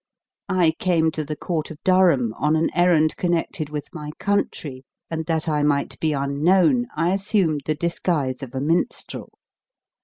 I came to the court of Durham on an errand connected with my country; and that I might be unknown, I assumed the disguise of a minstrel.